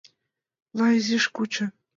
На, изиш кучо